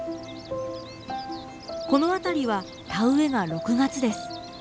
この辺りは田植えが６月です。